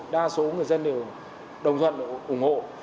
đa số người dân đều đồng thuận ủng hộ